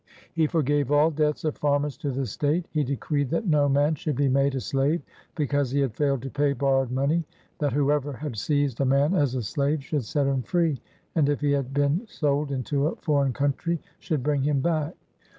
He forgave all debts of farmers to the state. He decreed that no man should be made a slave because he had failed to pay borrowed money; that whoever had seized a man as a slave should set him free, and if he had been sold into a foreign country, should bring him back.